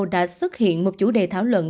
đã xuất hiện một chủ đề thảo luận